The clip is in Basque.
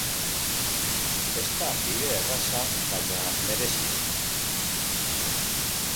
Ez da bide erraza, baina merezi du.